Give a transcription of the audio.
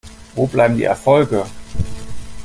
Wo bleiben die Erfolge?